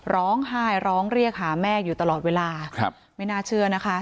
ร้องไห้ร้องเรียกหาแม่อยู่ตลอดเวลาไม่น่าเชื่อนะคะ